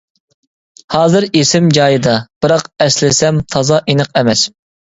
ھازىر ئېسىم جايىدا، بىراق ئەسلىسەم تازا ئېنىق ئەمەس.